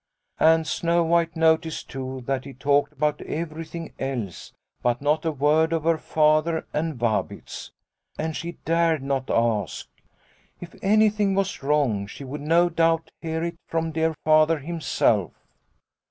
And Snow White noticed, too, that he talked about everything else, but not a word of her Father and Vabitz. And she dared not ask. If anything was wrong she would, no doubt, hear it from dear Father himself."